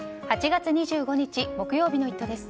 ８月２５日、木曜日の「イット！」です。